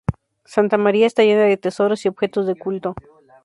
Santa María está llena de tesoros y objetos de culto.